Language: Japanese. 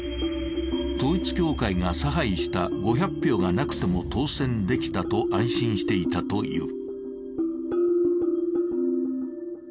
統一教会が差配した５００票がなくても当選できたと安心していたという。